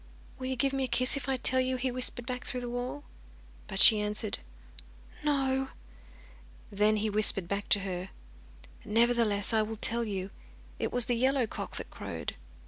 'Will you give me a kiss if I tell you?' he whispered back through the wall. But she answered 'No.' Then he whispered back to her: 'Nevertheless, I will tell you. It was the yellow cock that crowed.